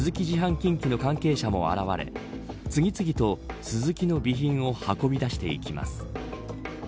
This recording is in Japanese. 近畿の関係者も現れ次々と、スズキの備品を運び出していきます。